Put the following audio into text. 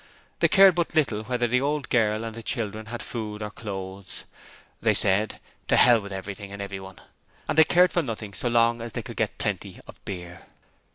They cared but little whether the old girl and the children had food or clothes. They said, 'To hell with everything and everyone,' and they cared for nothing so long as they could get plenty of beer.